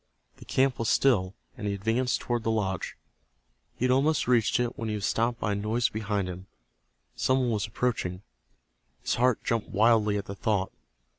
The camp was still, and he advanced toward the lodge. He had almost reached it when he was stopped by a noise behind him. Some one was approaching. His heart jumped wildly at the thought.